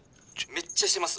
めっちゃしてます！」。